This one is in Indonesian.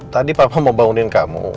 tadi papa mau bangunin kamu